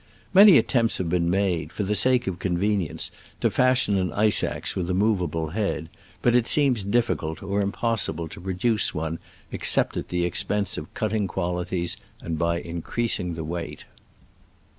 Many attempts have been made, for the sake of convenience, to fashion an ice axe with a nwvable head, but it seems difficult or impossible to produce one except at the expense of cutting qualities and by increasing the weight.